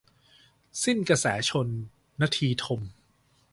สิ้นกระแสชล - นทีทม